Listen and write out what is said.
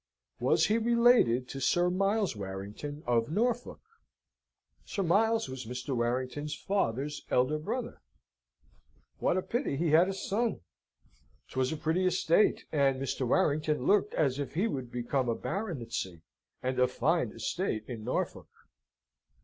Was he related to Sir Miles Warrington of Norfolk? Sir Miles was Mr. Warrington's father's elder brother. What a pity he had a son! 'Twas a pretty estate, and Mr. Warrington looked as if he would become a baronetcy, and a fine estate in Norfolk.